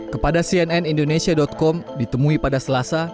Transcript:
kepada cnn indonesia com ditemui pada selasa